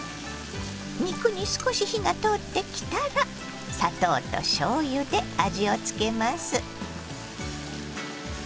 肉に少し火が通ってきたら砂糖としょうゆで味を付けます。